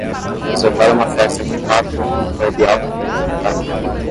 reservar uma festa de quatro em um pub altamente cotado